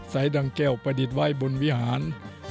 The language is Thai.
ดังแก้วประดิษฐ์ไว้บนวิหาร